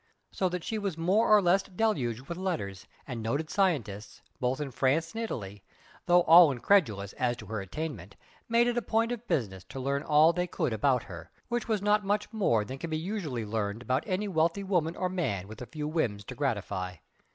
So that she was more or less deluged with letters; and noted scientists, both in France and Italy, though all incredulous as to her attainment, made it a point of "business" to learn all they could about her, which was not much more than can be usually learned about any wealthy woman or man with a few whims to gratify.